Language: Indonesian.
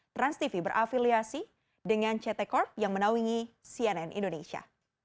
transtv berafiliasi dengan ct corp yang menaungi cnn indonesia